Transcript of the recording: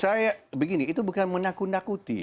saya begini itu bukan menakut nakuti